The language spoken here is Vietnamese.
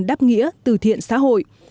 đáp nghĩa từ thiện xã hội